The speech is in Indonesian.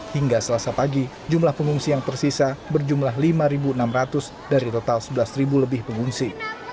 hingga selasa pagi jumlah pengungsi yang tersisa berjumlah lima enam ratus dari total sebelas lebih pengungsi